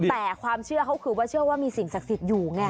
แต่ความเชื่อเขาคือว่าเชื่อว่ามีสิ่งศักดิ์สิทธิ์อยู่ไง